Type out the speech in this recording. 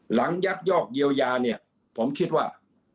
ยักยอกเยียวยาเนี่ยผมคิดว่า